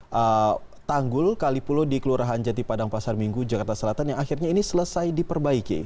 ada tanggul kali pulo di kelurahan jati padang pasar minggu jakarta selatan yang akhirnya ini selesai diperbaiki